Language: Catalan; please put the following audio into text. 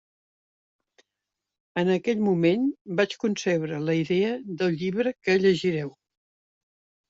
En aquell moment vaig concebre la idea del llibre que llegireu.